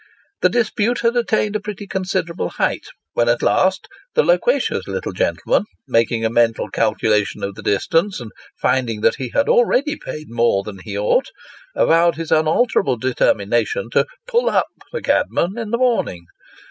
The dispute had attained a pretty considerable height, when at last the loquacious little gentleman, making a mental calculation of the distance, and finding that he had already paid more than he ought, avowed his un alterable determination to " pull up " the cabman in the morning.